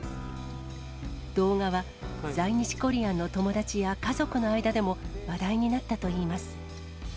動画は、在日コリアンの友達や家族の間でも話題になったといいます。